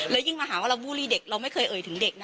ไปบ้านปู่มหาหมู่นีเลยค่ะ